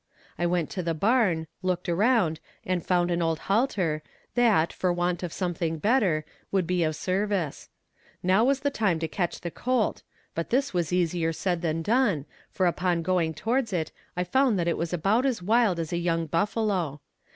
I went to the barn, looked around and found an old halter that, for want of something better, would be of service. Now was the time to catch the colt, but this was easier said than done, for upon going towards it I found that it was about as wild as a young buffalo.